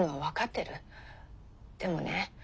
でもね